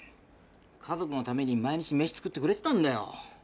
家族のために毎日飯作ってくれてたんだよ。